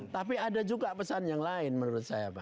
tapi ada juga pesan yang lain menurut saya